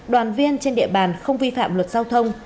đoàn viên trên địa bàn không vi phạm luật giao thông